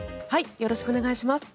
よろしくお願いします。